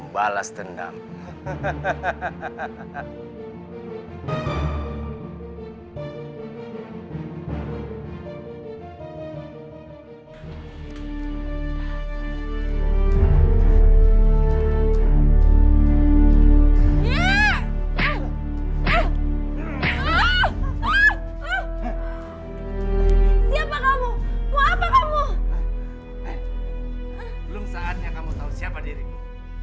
belum saatnya kamu tahu siapa dirimu